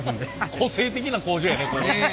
個性的な工場やね。